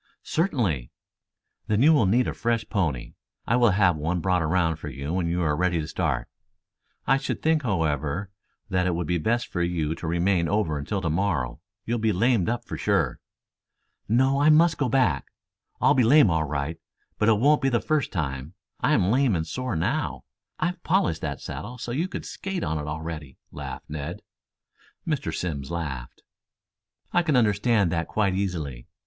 "Certainly." "Then you will need a fresh, pony. I will have one brought around for you when you are ready to start. I should think, however, that it would be best for you to remain over until tomorrow. You'll be lamed up for sure." "No, I must go back. I'll be lame all right, but it won't be the first time. I'm lame and sore now. I've polished that saddle so you could skate on it already," laughed Ned. Mr. Simms laughed. "I can understand that quite easily.